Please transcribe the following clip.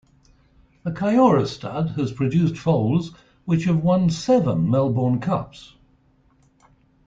The Kia-Ora Stud has produced foals which have won seven Melbourne Cups.